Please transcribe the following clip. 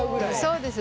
そうです。